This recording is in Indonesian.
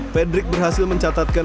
frederick berhasil mencatatkan